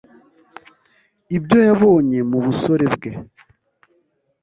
ibyo yabonye mu busore bwe